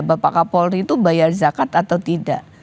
bapak kapolri itu bayar zakat atau tidak